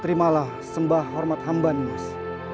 terimalah sembah hormat hamba nimas